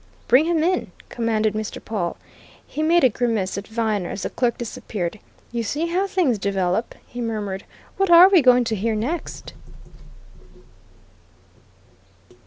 "Bring him in," commanded Mr. Pawle. He made a grimace at Viner as the clerk disappeared. "You see how things develop," he murmured. "What are we going to hear next?"